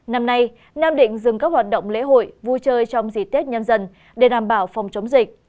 năm nay nam định dừng các hoạt động lễ hội vui chơi trong dịp tết nhân dân để đảm bảo phòng chống dịch